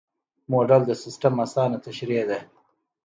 موډل د سیسټم اسانه تشریح ده.